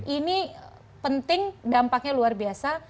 ini penting dampaknya luar biasa